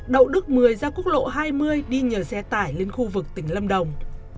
đậu đức mười ra quốc lộ hai mươi đi nhờ xe tải lên khu vực tỉnh lâm đồng